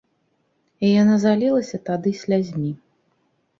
І яна залілася тады слязьмі.